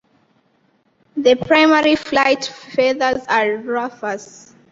The primary flight feathers are rufous.